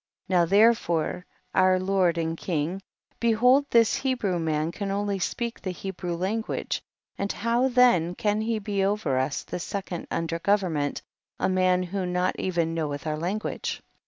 10. Now therefore our lord and king, behold this Hebrew man can only speak the Hebrew language, and how then can he be over us the second under government, a man who not even knoweth our language' 11.